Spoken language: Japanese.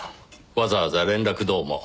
わざわざ連絡どうも。